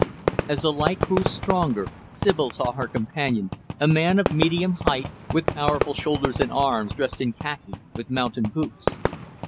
As the light grew stronger, Sibyl saw her companion a man of medium height, with powerful shoulders and arms; dressed in khaki, with mountain boots.